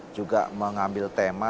juga mengambil tema